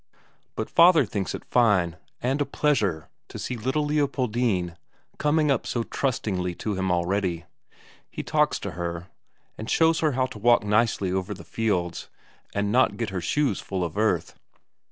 But father thinks it fine and a pleasure to see little Leopoldine coming up so trustingly to him already; he talks to her, and shows her how to walk nicely over the fields, and not get her shoes full of earth.